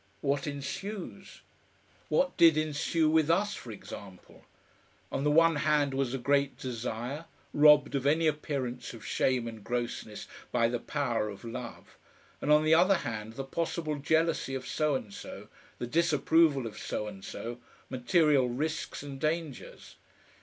What ensues? What did ensue with us, for example? On the one hand was a great desire, robbed of any appearance of shame and grossness by the power of love, and on the other hand, the possible jealousy of so and so, the disapproval of so and so, material risks and dangers.